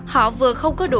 họ vừa không có đủ